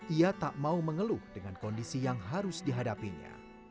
ia tak mau mengeluh dengan kondisi yang harus dihadapinya